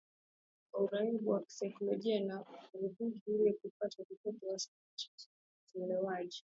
uraibu wa kisaikolojia na uridhishaji ili kupata kipimo wastani cha ulewaji